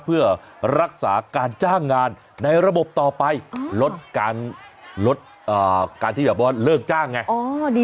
เพื่อรักษาการจ้างงานในระบบต่อไปลดการลดการที่แบบว่าเลิกจ้างไง